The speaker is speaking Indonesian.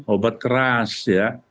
obat keras ya